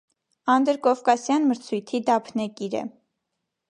Անդրկովկասյան մրցույթի դափնեկիր է։